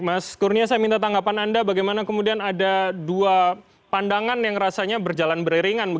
mas kurnia saya minta tanggapan anda bagaimana kemudian ada dua pandangan yang rasanya berjalan beriringan